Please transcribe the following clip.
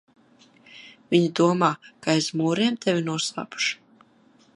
Viņi domā, ka aiz mūriem tevi noslēpuši?